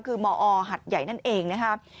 คือมอหัดใหญ่นั่นเองนะครับ